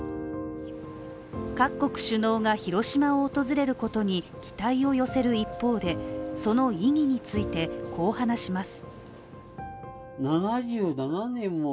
各国首脳が広島を訪れることに期待を寄せる一方でその意義について、こう話します。